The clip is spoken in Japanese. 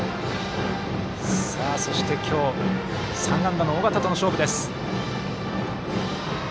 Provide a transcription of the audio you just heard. そして、今日３安打の尾形との勝負です。